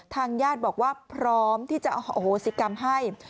ทางญาติบอกว่าพร้อมที่จะโหสิกรรมให้